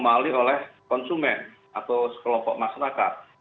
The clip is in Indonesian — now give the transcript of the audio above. atau anomali oleh konsumen atau kelompok masyarakat